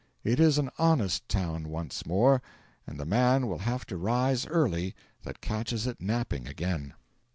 It is an honest town once more, and the man will have to rise early that catches it napping again.